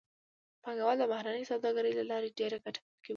پانګوال د بهرنۍ سوداګرۍ له لارې ډېره ګټه کوي